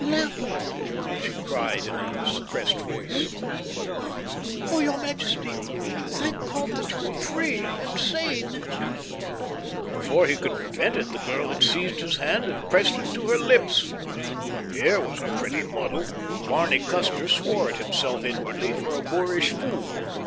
"Leopold!" she cried in a suppressed voice. "Oh, your majesty, thank God that you are free—and sane!" Before he could prevent it the girl had seized his hand and pressed it to her lips. Here was a pretty muddle! Barney Custer swore at himself inwardly for a boorish fool.